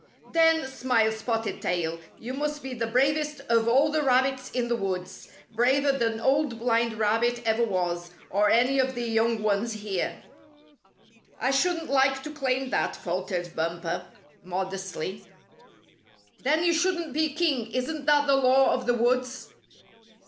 " Then," smiled Spotted Tail, " you must be the bravest of all the rabbits in the woods — braver than Old Blind Rabbit ever was, or any of the young ones here." " I shouldn't like to claim that," faltered Bumper, modestly. " Then you shouldn't be king. Isn't that the law of the woods?